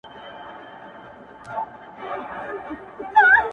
ستا د يوې لپي ښكلا په بدله كي ياران؛